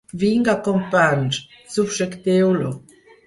Vinga, companys, subjecteu-lo!